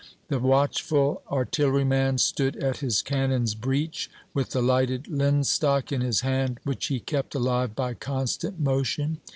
The watchful artilleryman stood at his cannon's breech, with the lighted linstock in his hand, which he kept alive by constant motion.